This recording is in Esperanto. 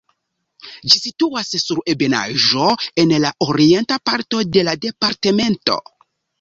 Ĝi situas sur ebenaĵo en la orienta parto de la departemento.